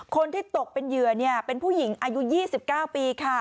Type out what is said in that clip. คนที่ตกเป็นเหยื่อเป็นผู้หญิงอายุ๒๙ปีค่ะ